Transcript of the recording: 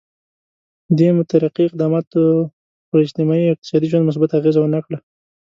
دې مترقي اقداماتو پر اجتماعي او اقتصادي ژوند مثبته اغېزه ونه کړه.